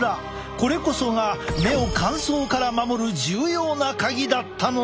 これこそが目を乾燥から守る重要なカギだったのだ。